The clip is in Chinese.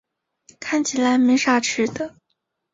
看起来没啥吃的